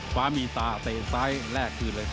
ฟ้ามีตาเตะซ้ายแลกคืนเลย